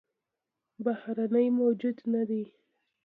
بهرنى موجود نه دى